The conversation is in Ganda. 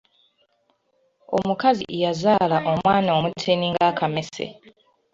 Omukazi yazaala omwana omutini ng’akamese.